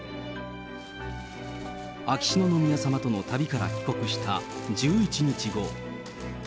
秋篠宮さまとの旅から帰国した１１日後。